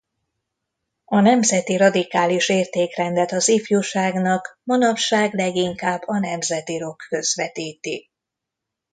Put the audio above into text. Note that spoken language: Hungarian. A nemzeti radikális értékrendet az ifjúságnak manapság leginkább a nemzeti rock közvetíti.